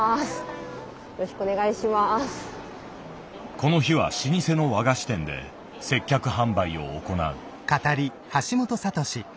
この日は老舗の和菓子店で接客販売を行う。